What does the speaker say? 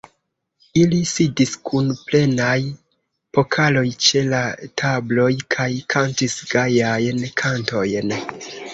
Ili sidis kun plenaj pokaloj ĉe la tabloj kaj kantis gajajn kantojn.